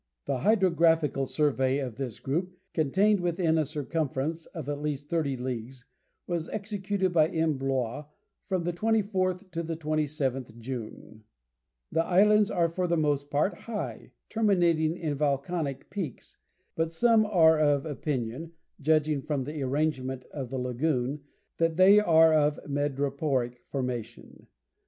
The hydrographical survey of this group, contained within a circumference of at least thirty leagues, was executed by M. Blois from the 24th to the 27th June. The islands are for the most part high, terminating in volcanic peaks; but some are of opinion, judging from the arrangement of the lagoon, that they are of madreporic formation.